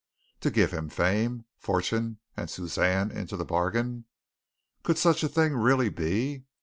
To give him fame, fortune and Suzanne into the bargain? Could such a thing really be?